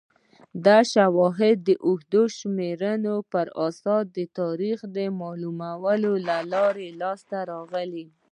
دا شواهد د اوږدې شمېرنې پر اساس د تاریخ معلومولو له لارې لاسته راغلي